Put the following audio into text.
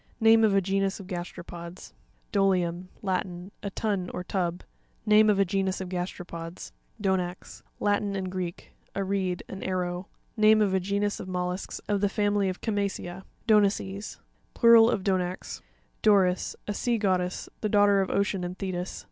Name of a genus of gasteropods (page 64). Do'tium.— Latin. A tun or tub. Name of a genus of gasteropods (page 53). Do'nax.—Latin and Greek. A reed; an arrow. Name of a genus of mollusks of the family of Chama'. cea (page 84), Do'naces.—Plural of Donax. Do'ris.—A sea goddess, the daughter of Ocean and Thetys.